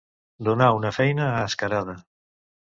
Donar una feina a escarada.